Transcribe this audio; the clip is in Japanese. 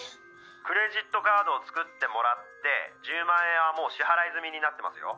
☎クレジットカードを作ってもらって☎１０万円はもう支払い済みになってますよ